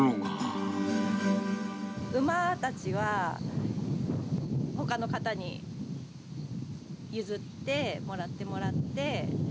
馬たちは、ほかの方に譲って、もらってもらって。